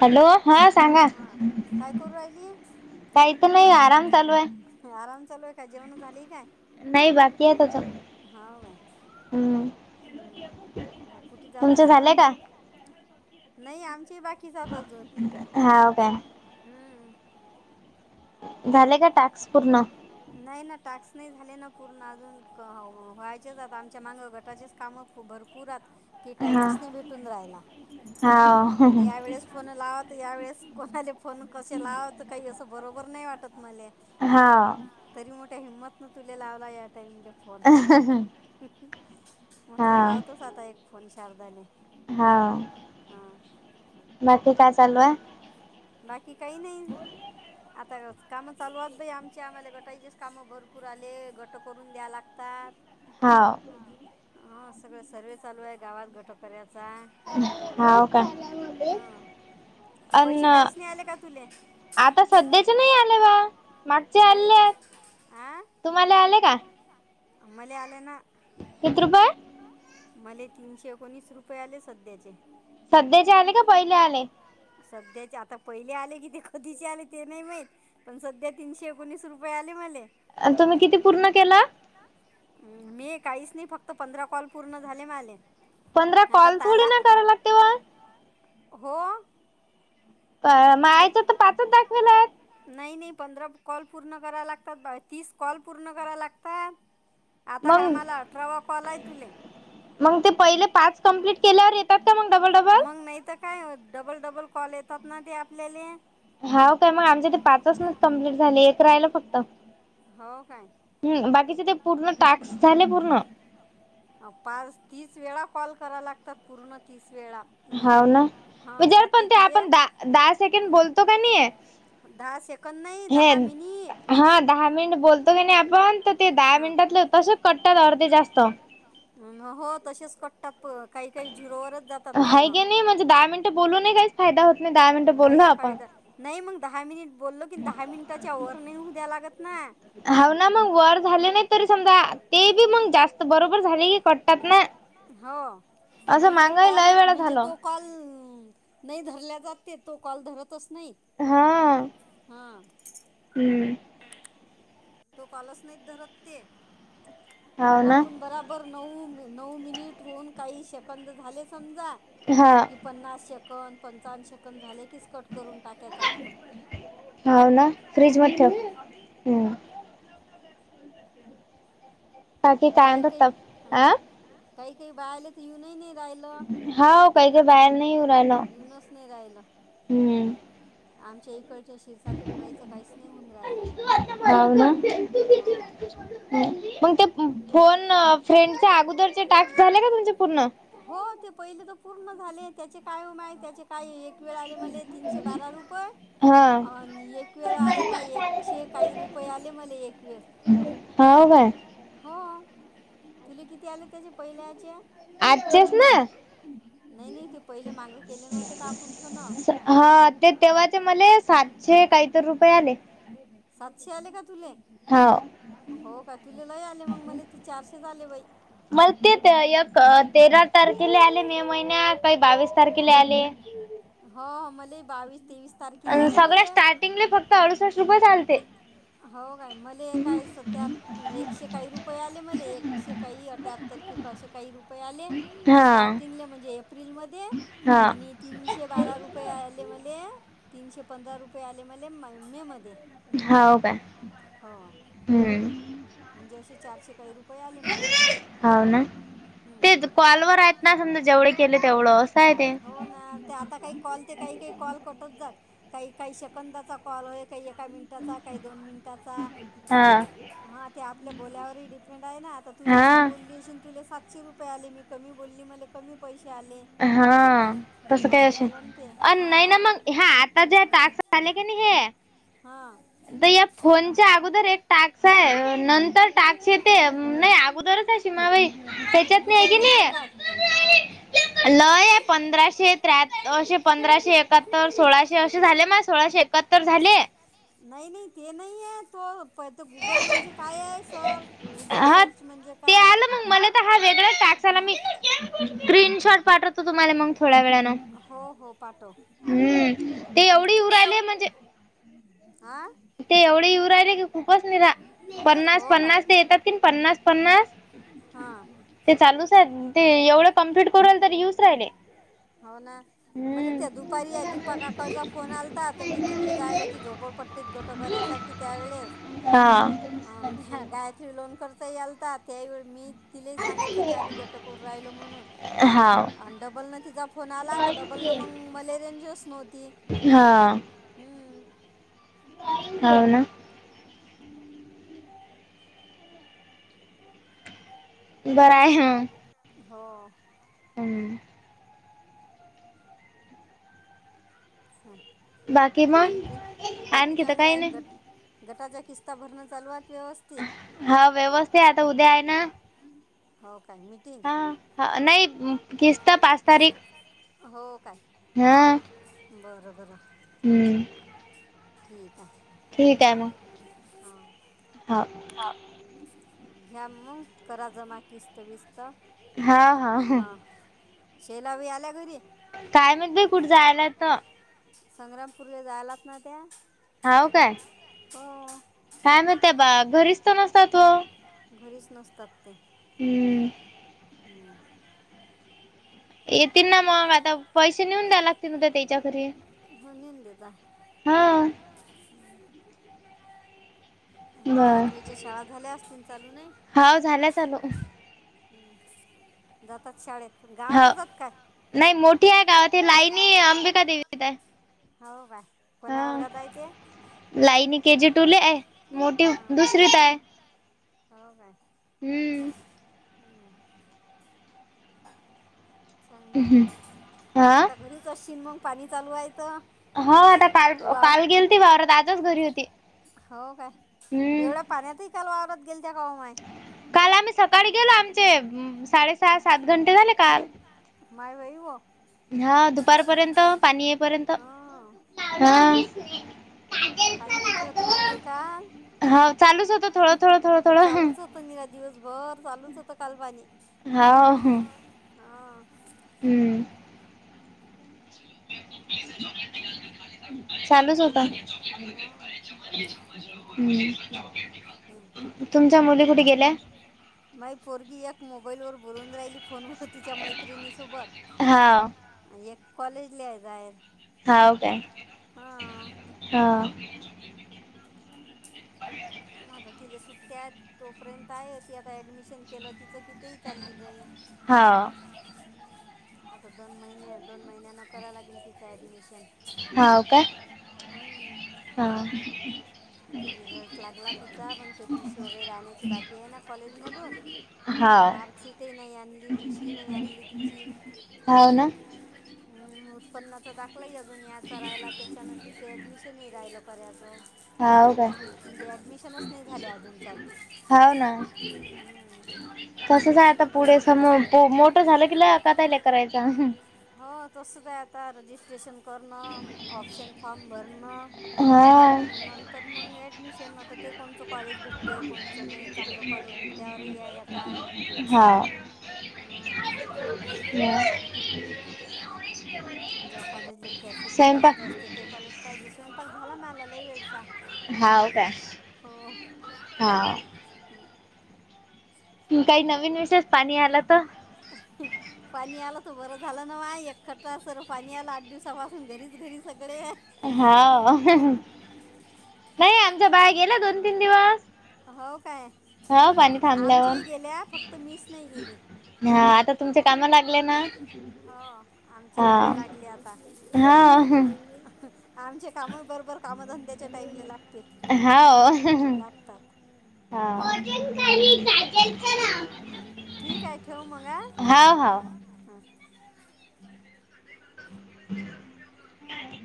Hello हा सांगा. काही तर नाही आराम चालू आहे. आराम चालू आहे का जेवण झाली काय ह काय. हम्म. हम्म कुठे जात असता. नाही आमची बाकी जात अजून हम्म. झाले का टाक्स पूर्ण? नाही ना टाक्स नाही झाले ना पूर्ण अजून व्हायचेच आता आमच्या माग गटाचेच काम भरपूर हात की टाईम च नाही भेटूनराहिला आणि या वेळेस फोन लावत यावेेळेस कोणाले फोन कसे लावत काही असं बरोबर नाही वाटत मले. हा. तरी मोठ्या हिंमत न तुले लावला या टाईम ले फोन म्हटल लावतोच आता एक फोन शारदाले. हा. हा. बाकी काही नाही. आता कामं चालू आात बाई आमच्या आम्हाला गटाईचेच कामं भरपूर आले गट करून द्या लागतात. हा. हा सगळ सर्वे चालू आहे गावात गटोकऱ्याचा. हव का? अन्न आता सध्याचे नाही आले बा. मागचे आले तुम्हाले आले का? अ मले आल ना. कित रुपये? मले तीनशे एकोणीस रुपये आले, सध्याचे. सध्याचे आले का पहिले आले? सध्याचे आता पहिले आले कि, ते कधीचे आले ते नही माहीत. पण सध्या तीनशे एकोणीस रुपये आले मले. अन तुम्ही किती पूर्ण केला? मी काहीच नही, फक्त पंधरा कॉल पूर्ण झाले माले. पंधरा कॉल, थोडी ना कराया लागते व. हो. मा याच्या तर पाचच दाखवीलिये. नही नही पंधरा कॉल पूर्ण कराया लागतात बा, तीस कॉल पूर्ण कराया लागतात. आता हा माला अठरावा कॉल हाय तुले. मग ते पहिले पाच कम्प्लीट केल्यावर येतात का, मग डबल-डबल? काय होत, डबल-डबल कॉल येतात ना, ते आपल्याले. हो काय? [unintelligible] हो काय. हम बाकीचे ते, पूर्ण टास्क झाले पूर्ण. आव पाच तीस वेळा कॉल कराया लागतात, पूर्ण तीस वेळा. हावना, वि जर पण ते आपण दा-दहा सेकंड बोलतो का नही? दहा सेकंद नही, दहा मिनिट. हम दहा मिनिट बोलतो की नही आपण, तर ते दहा मिनिटातले तसेच कटतात अर्धे जास्त. मं हो तसेच कटतात, प काही-काही झीरोवरच जातात, फोन. ये म्हणेज दहा मिन बोलून ही काहीच फायदा हो [unintelligible] काहीच फायदा, नही मग दहा मिनिट बोललो की, दहा मिनटाच्या वर, नहीं होउ द्याल लागत ना. हाव ना मग वर झाले नही तरी समजा, ते बी मंग जास्त बरोबर झाले की, कटतात ना. हो, मंग तो कॉल, म्हणजे तो कॉल नही धरल्या जात ते, तो कॉल धरतच नही. हां. हम्म. तो कॉलच नाहीत धरत ते, आपण बराब बर, नऊ-नऊ मिनिट हॊऊन काहीे सेकंद झाले समजा, की पन्नास से कंद, पंचांवन सेक णद झाले कीच, कट करून टाकायचा फोन, हम्म. काही काही, काही काही बाया लई येऊनी नहीं राहिलं, येऊनच नही राहिलं. हम्म, आमच्या इकड त्य शिरसाटिन बाईचं काहीच नही होऊन राहिल, हो. मग ते फोन फ्रेंडच्या अगोदरचे टास्क झाले का तुमचे पूर्ण? हो ते पहिले त पूर्ण झाले, त्याचे काय ओ माय त्याचे काही एक वेळ आले, मले तीनशे बारा रुपये. अन एक वेळ आले काई एकशे काही रुपये आले, मले एक वेळ. हाव काय? हो, तुले किती आले त्याचे पहिल्या याचे? आजचे ना? नाही, नाही ते पहिले मागे केले नव्हते का आपण हा ते तेव्हाचे मले सातशे काहीत रुपये आले. सातशे आले का तुले? हो का तुले लय आले मग मले तर चारशे आले बाई. मला ते तेरा तारखेला आले मे महिन्या काही बावीस तारखेला आले. हो मले बावीस तेवीस तारीख सगळ्या स्टार्टिंगले फक्त अडुसष्ट रुपये चालते. हो काय मले काय स त्यात एकशे काही रुपये आले मले एकशे काही अठ्यात्तर की काही रुप रुपये आले स्टार्टींगले म्हणजे एप्रिलमध्ये आणि तिनशे र तीशे बारा रुपये आले मले तीनशे पंधरा रुपये आले मले म मे मध्ये. हाव का हम्म. म्हणजे असे चारशे काही रुपये आले मले. ते कॉलवर आहेत ना समजा जेवढे केले तेवढं असं आहे ते. आता काही कॉल ते काही, काही कॉल कटत जात काही, काही शकंदाचा कॉल हो काही एका मिनट काही दोन मिनिटाचा हा ते आपल्या बोल्यावर डिफेंड आहेना. तर तू जास्त बोलली अशिन तुला सातशे रुपये आले मी कमी बोलली मले कमी पैसे आले. हा तसं काय अशिन. अन नाही ना मग ह्या आता जे टास्क झाले की नाही हे हां. तर या फोनच्या अगोदर एक टाक्स आहे नंतर तर टास्क येते नाही अगोदरच सीमाबाई त्याच्यात न आहे की नाही अ [inaudible] पंधराशे त्र्याहत्त असे पंधराशे एकाहत्तर सोळाशे असे झाले माये सोळाशे एकाहत्तर झाले. नाही, नाही ते नाही आहे तो प तर गुगल म्हणजे काय आहे स? गुगल सर्च म्हणजे काय हा? स्क्रीन शॉट पाठवतो तुम्हाला मग थोड्या वेळान. हम्म, ते एवढी येऊ राहिली म्हणजे आं.. ते एवढे येऊ राहिले की खूपच निरा पन्नास, पन्नास ते येतात की पन्नास, पन्नास ते चालूच आहे ते एवढं कम्प्लीट करूल राहिली तरी यूस राहिले. हो ना मला त्या दुपारी या दीपाकाकाचा फोन आलता तर मी तिकडे जायला होती झोपड पड गट करायसाठी त्यावेळेस. अध्या गायत्री लोन खरचा ही आलता त्याही वेळी मी तिलाही सांगितलं की आम्ही गट करु राहिलो म्हणून. अडबल न तिचा फोन आला तर डबल न मग मले रेंजच नव्हती. हा.. हम्म.. हाव ना. बरं आहे. बर आहे. हो. हम्म. हा आणखी बाकी चांगलं आहे गट? गटाच्या किस्ता भरणं चालूहात व्यवस्थित? हा व्यवस्थित आता उद्या आहे ना? हो काय मी हा नाही किसत पाच तारीख. हो काय? हा. बरं बरं. हम्म. ठीक आहे. ठीक आहे मग. हां. हा. घ्या मग करा जमा किस्त विस्त. हा हा. शेलावी आल्या घरी? काय माहीत बाई कुठं जायला त संग्रामपूरले जायलात ना त्या? हाव काय काय म त्या बा घरीच तर नसतात व? घरीच नसतात ते. हम्म. हम्म. येतील ना मग आता पैसे नेऊन द्या लागतील ना त्याच्या घरी. देजा. हम्म. आणखीन लेखरीच्या शाळा झाल्या असतील चालू नाही? हम्म जातात शाळेत गावातचात काय? नाही मोठी आहे गावात लाईन अंबिका देवी होवा. हा लाईनी के जी टुले आहे मोठी दुसरी त आहे. हो काय. हम्म. हम्. चांग ना मग आता घरीच असशीश मग पाणी चालूय त. हो आता काल काल गेल ती वावरात आजच घरी होती. हो काय एवढ्या पाण्यातही काल वावरात गेल त्या का ओ माय. काल आम्ही सकाळी गेलो आमचे साडेसहा सात घंटे झाले काल. माय वई हो. हा दुपारपर्यंत पाणी येपर्यंत हा. पाणी किती होतं माय ब काल. चालूच होत निरा दिवसभर चालूच होत काल पाणी. हा ह हा. हम्म. चालूच होत. हम. माई पोरगी एक मोबाईल वर बोलून राहिली फोनवर. तीच्या मैत्रिणी सोबत, हा एक कॉलेज ला जायेल. हाव काय, हा. [inaudible] आता तिले सुट्ट्या आहेत तोपर्यंत आहे ती आता ऍडमिशन केलं तिचं कि ती चालली जाईन. हा हम्म आता दोन महिने दोन महिन्यान कराव लागेल तिचं ऍडमिशन. हाव काय, हा. रिझल्ट लागला तिचा पण ते टी सी वगैरे आणयची बाकी आहे ना कॉलेजमधून. मार्कशीटही नाही आणली टी शी ही नाही आणली तिची. हम्म उत्पन्नाचा दा कला ही अजून यायचा राहिला त्याच्यान तिच ॲडमिशनही राहिलं करायचं. हाव काय, हाव ना. तसच हाय आता पुढे समो मोठं झालं कि लय कातला करायचा. हो तसच आहे आता रजिस्ट्रेशन करणं ऑप्शन फॉर्म भरणं. हा. नंतर मग ऍडमिशन होत ते कोणचं कॉलेज भेट [unintelligible] हा [unintelligible] [unintelligible] या [unintelligible] ज्या कॉलेज लिफ्ट्यासाठी जास्त असते ते कॉलेज पाहिजे स्वयंपाक झाला मला लय वेळचा. हाव काय, हाव. काही नवीन विषेष पाणी आला तर? [inaudible] पाणी आलं तर बरं झालं ना माय एकखत्र सर पाणी आलं आठ दिवसापासून घरीच घरी सगळे. हाव, नाही आमच्या बाया गेल्या दोन तीन दिवस. हाव काय, आमच्याही गेल्या फक्त मिच नाही गेली. हा आता तुमचे काम लागले ना, हा, हा. आमचे काम बरोबर काम धंद्याच्या टाईमला लागते, हाव लागतात. हा कॉटन करी काय तरी करा. [unintelligible] ठेव मग हा, हा हा. [inaudible]